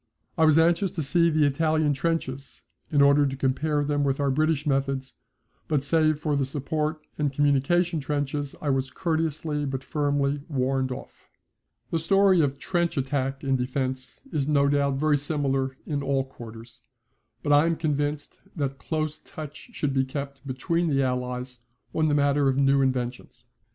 I was anxious to see the Italian trenches, in order to compare them with our British methods, but save for the support and communication trenches I was courteously but firmly warned off. The story of trench attack and defence is no doubt very similar in all quarters, but I am convinced that close touch should be kept between the Allies on the matter of new inventions.